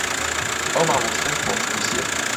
ئەو مامۆستای خۆشنووسییە